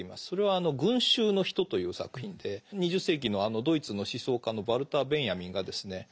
それは「群衆の人」という作品で２０世紀のドイツの思想家のヴァルター・ベンヤミンがですね